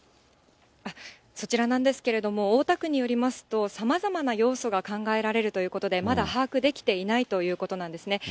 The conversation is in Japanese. そちらなんですけれども、大田区によりますと、さまざまな要素が考えられるということで、まだ把握できていないということなんですね。